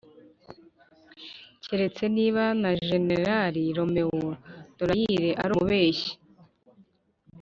keretse niba na jenerali roméo dallaire ari umubeshyi!